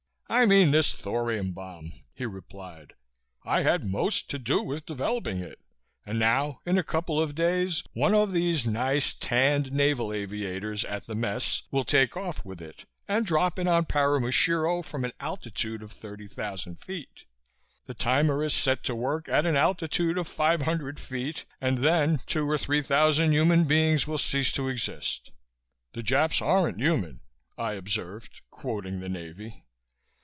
"I mean this thorium bomb," he replied. "I had most to do with developing it and now in a couple of days one of these nice tanned naval aviators at the mess will take off with it and drop it on Paramushiro from an altitude of 30,000 feet. The timer is set to work at an altitude of 500 feet and then two or three thousand human beings will cease to exist." "The Japs aren't human," I observed, quoting the Navy.